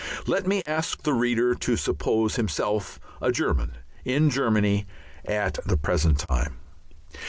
Let me ask the reader to suppose himself a German in Germany at the present time.